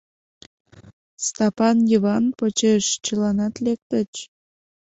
Стапан Йыван почеш чыланат лектыч.